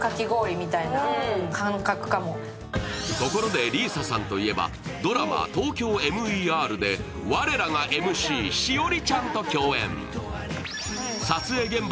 ところで、里依紗さんといえば、「ＴＯＫＹＯＭＥＲ」で我らがＭＣ、栞里ちゃんと共演。